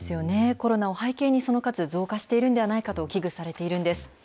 コロナを背景に、その数、増加しているんではないかと危惧されているんです。